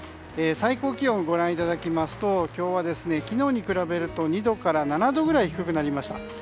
最高気温をご覧いただきますと今日は昨日に比べると２度から７度くらい低くなりました。